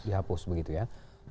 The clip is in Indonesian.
dihapus begitu ya